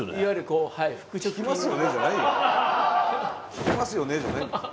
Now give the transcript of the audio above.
「効きますよね」じゃないよ。